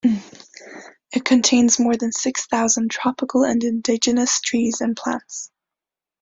It contains more than six thousand tropical and indigenous trees and plants.